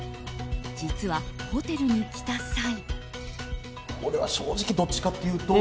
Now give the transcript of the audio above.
実はホテルに来た際。